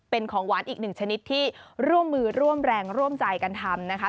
เป็นของหวานอีกหนึ่งชนิดที่ร่วมมือร่วมแรงร่วมใจกันทำนะคะ